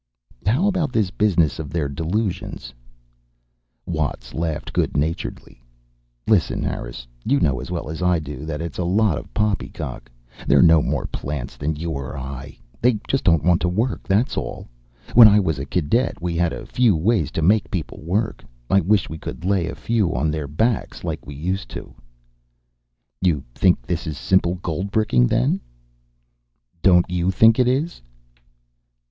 "How about this business of their delusions?" Watts laughed good naturedly. "Listen, Harris. You know as well as I do that's a lot of poppycock. They're no more plants than you or I. They just don't want to work, that's all. When I was a cadet we had a few ways to make people work. I wish we could lay a few on their backs, like we used to." "You think this is simple goldbricking, then?" "Don't you think it is?"